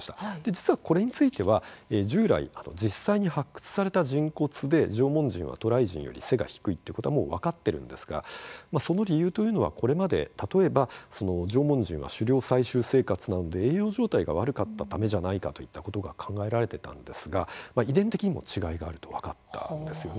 実は、これについては従来、実際に発掘された人骨で縄文人は渡来人より背が低いってことは、もう分かってるんですがその理由というのはこれまで例えば縄文人は狩猟採集生活なので、栄養状態が悪かったためじゃないかといったことが考えられてたんですが遺伝的にも違いがあると分かったんです。